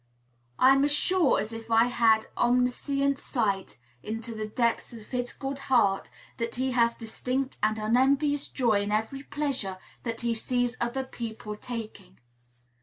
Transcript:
I am as sure as if I had omniscient sight into the depths of his good heart that he has distinct and unenvious joy in every pleasure that he sees other people taking.